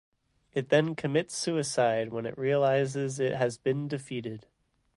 It then commits suicide when it realizes it has been defeated.